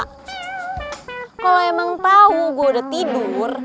kalo emang tau gue udah tidur